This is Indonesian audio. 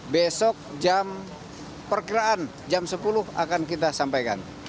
besok jam perkiraan jam sepuluh akan kita sampaikan